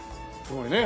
すごいね。